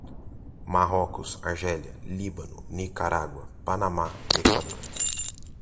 Marrocos, Argélia, Líbano, Nicarágua, Panamá, Equador